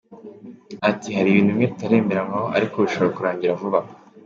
Ati “Hari ibintu bimwe tutaremeranywa ariko bishobora kurangira vuba.